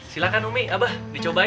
silakan umi abah dicobain